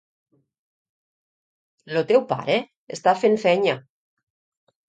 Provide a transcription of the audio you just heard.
Lo teu pare està fent fenya.